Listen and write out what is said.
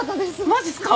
マジすか？